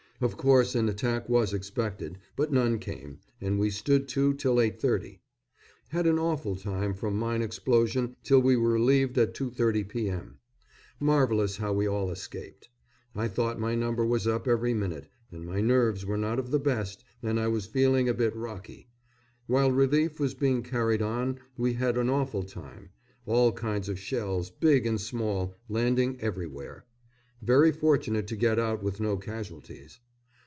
Of course an attack was expected, but none came, and we stood to till 8.30. Had an awful time from mine explosion till we were relieved at 2.30 p.m. Marvellous how we all escaped. I thought my number was up every minute, and my nerves were not of the best and I was feeling a bit rocky. While relief was being carried on we had an awful time: all kinds of shells, big and small, landing everywhere. Very fortunate to get out with no casualties.